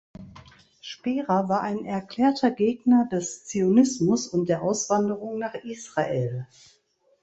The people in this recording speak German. Spira war ein erklärter Gegner des Zionismus und der Auswanderung nach Israel.